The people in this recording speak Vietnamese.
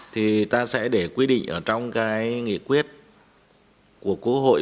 thì ta sẽ để quy định ở trong cái nghị quyết của quốc hội